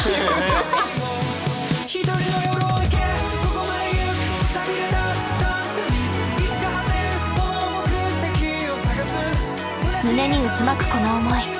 これは胸に渦巻くこの思い。